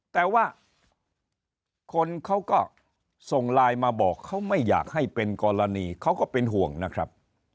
แต่ว่าคนเขาก็ส่งไลน์มาบอกเขาไม่อยากให้เป็นกรณีเขาก็เป็นห่วงนะครับ